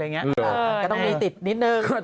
ก็ต้องมีติดนิดนึง